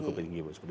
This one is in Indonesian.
cukup tinggi bu